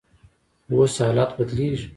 خو اوس حالات بدلیږي.